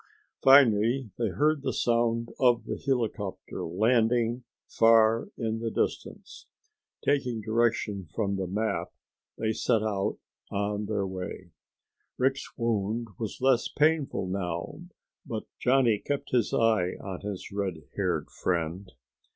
Finally they heard the sound of the helicopter landing far in the distance. Taking direction from the map, they set out on their way. Rick's wound was less painful now, but Johnny kept his eye on his redhaired friend.